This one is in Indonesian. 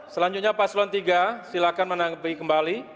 selanjutnya paslon tiga silakan menanggapi kembali